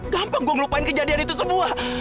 gampang gue ngelupain kejadian itu sebuah